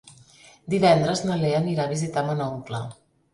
Divendres na Lea anirà a visitar mon oncle.